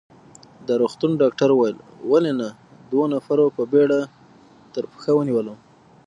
د روغتون ډاکټر وویل: ولې نه، دوو نفرو په بېړه تر پښه ونیولم.